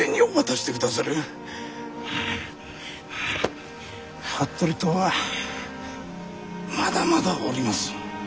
ハアハア服部党はまだまだおります。